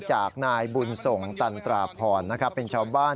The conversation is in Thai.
จากนายบุญสงศ์ตันตราภรเป็นชาวบ้าน